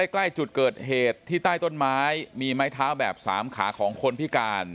ใกล้จุดเกิดเหตุที่ใต้ต้นไม้มีไม้เท้าแบบสามขาของคนพิการ